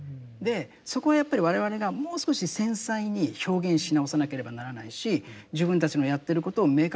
そこはやっぱり我々がもう少し繊細に表現し直さなければならないし自分たちのやってることを明確に語っていく。